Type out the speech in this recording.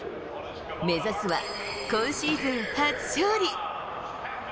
目指すは、今シーズン初勝利。